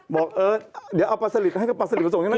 บอกเออเดี๋ยวเอาปลาสลิดให้กับปลาสลิดส่งใช่ไหม